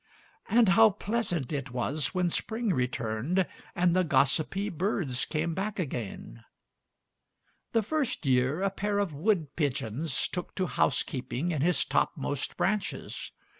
And how pleasant it was when spring returned, and the gossipy birds came back again! The first year a pair of wood pigeons took to housekeeping in his topmost branches.